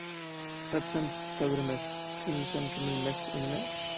« تەپسەم تەۋرىمەس ، كۆمسەم كۆمۇلمەس» ئۇ نىمە ؟